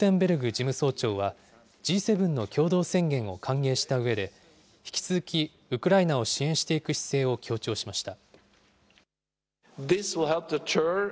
事務総長はＧ７の共同宣言を歓迎したうえで、引き続き、ウクライナを支援していく姿勢を強調しました。